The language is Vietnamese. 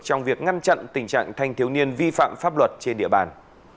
trong việc ngăn chặn tình trạng thanh thiếu niên vi phạm pháp luật trên địa bàn